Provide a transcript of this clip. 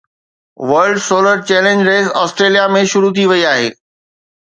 world Solar Challenge race Australia ۾ شروع ٿي وئي آهي